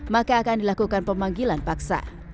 maka akan dilakukan pemanggilan paksa